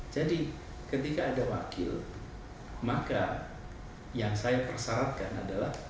jadi ketika ada wakil maka yang saya persyaratkan adalah